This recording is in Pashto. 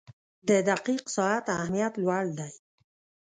• د دقیق ساعت اهمیت لوړ دی.